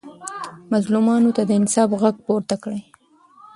مظلومانو ته د انصاف غږ پورته کړئ.